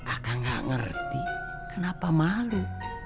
akan gak ngerti kenapa malu